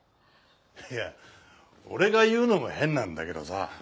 いや俺が言うのも変なんだけどさ